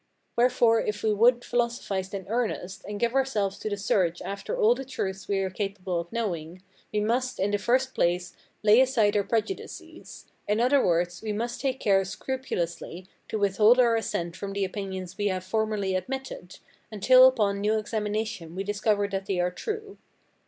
Wherefore if we would philosophize in earnest, and give ourselves to the search after all the truths we are capable of knowing, we must, in the first place, lay aside our prejudices; in other words, we must take care scrupulously to withhold our assent from the opinions we have formerly admitted, until upon new examination we discover that they are true.